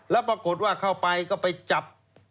แล้วปรากฏว่าเข้าไปก็ไปจับ